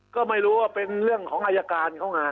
ก็ไม่รู้ว่าเป็นเรื่องของอายการเขาไง